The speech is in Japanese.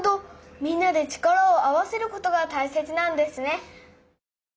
みんなで力を合わせることがたいせつなんですね。